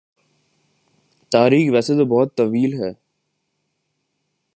تاریخ ویسے تو بہت طویل ہے